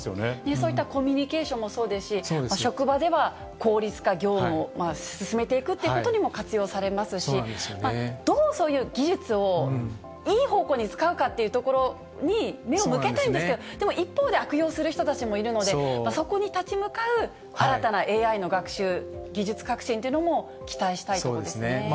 そういったコミュニケーションもそうですし、職場では効率化、業務を進めていくってことにも活用されますし、どう、そういう技術をいい方向に使うかってところに目を向けたいんですけど、でも一方で悪用する人たちもいるので、そこに立ち向かう新たなＡＩの学習技術革新というのも期待したいそうですね。